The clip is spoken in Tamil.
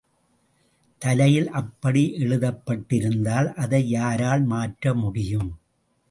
தலையில் அப்படி எழுதப்பட்டிருந்தால் அதை யாரால் மாற்ற முடியும்?